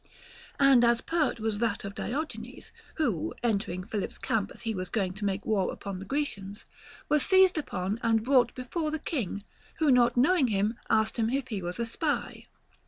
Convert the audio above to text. And as pert was that of Diogenes, who, entering Philip's camp as he was going to make Avar upon the Grecians, was seized upon and brought before the king, who not knowing him asked him if he was a spy.